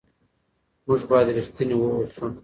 موږ باید رښتیني واوسو.